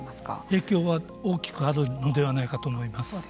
影響は大きくあるのではないかと思います。